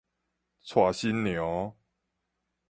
娶新娘